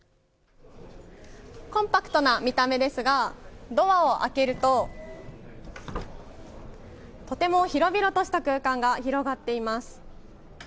コンパクトな見た目ですがドアを開けるととても広々とした空間が広がっています。